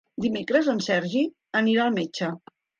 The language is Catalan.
Dimecres en Sergi anirà al metge.